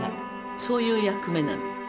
そういう役目なの。